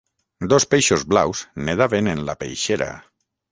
Dos peixos blaus nedaven en la peixera.